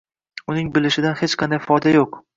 Uning bilishidan hech qanday foyda yo'q.